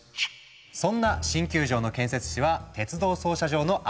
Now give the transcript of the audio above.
そんな新球場の建設地は鉄道操車場の跡地。